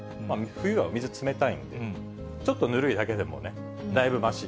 冬はお水冷たいんで、ちょっとぬるいだけでもね、だいぶまし。